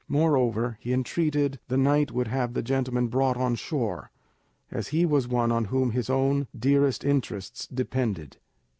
Moreover, he entreated the knight would have the gentleman brought on shore, as he was one on whom his own dearest interests depended.